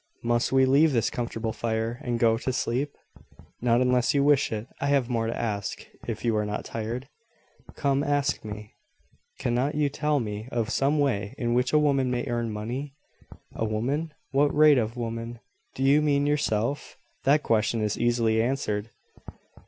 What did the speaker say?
Must we leave this comfortable fire, and go to sleep?" "Not unless you wish it. I have more to ask, if you are not tired." "Come, ask me." "Cannot you tell me of some way in which a woman may earn money?" "A woman? What rate of woman? Do you mean yourself? That question is easily answered.